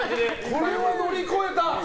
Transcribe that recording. これは乗り越えた。